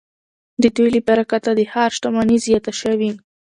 د دوی له برکته د ښار شتمني زیاته شوې.